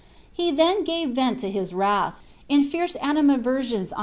He then gave vent to his wrath, in fierce animadversions on > W.